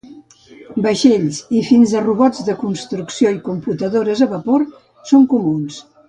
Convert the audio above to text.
Vaixells i fins a robots de construcció i computadores a vapor són comuns.